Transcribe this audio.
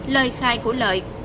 lời khai của lợi